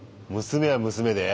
娘は娘で。